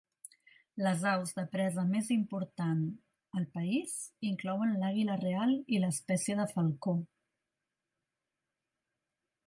Les aus de presa més important al país inclouen l'àguila real i l'espècie de falcó.